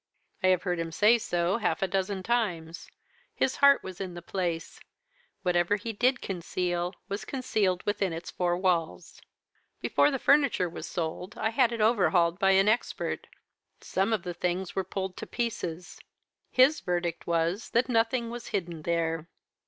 I have heard him say so half a dozen times. His heart was in the place. Whatever he did conceal, was concealed within its four walls. Before the furniture was sold, I had it overhauled by an expert some of the things were pulled to pieces. His verdict was that nothing was hidden there.